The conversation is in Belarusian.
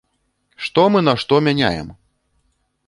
Што мы на што мяняем?